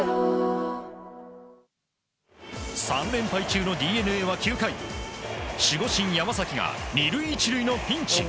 ３連敗中のＤｅＮＡは９回守護神山崎が２塁１塁のピンチ。